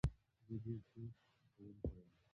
زه ډېره ښه پخوونکې یم